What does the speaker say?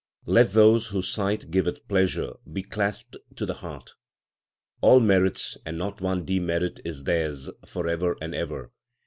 Let those whose sight giveth pleasure be clasped to the heart. All merits and not one demerit is theirs for ever and ever.